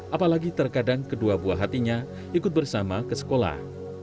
apalagi terkadang kedua buah hatinya ikut bersama ke sekolah